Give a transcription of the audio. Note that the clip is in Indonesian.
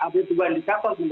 ada dua indikator menurut saya